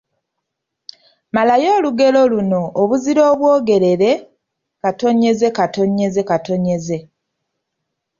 Malayo olugero luno: Obuzira obwogerere…